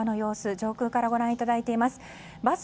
上空からご覧いただいています。